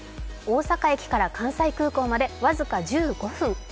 大阪駅から関西空港まで僅か１５分。